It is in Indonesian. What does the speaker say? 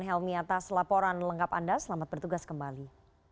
dan helmy atas laporan lengkap anda selamat bertugas kembali